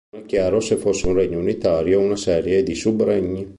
Non è chiaro se fosse un regno unitario o una serie di sub-regni.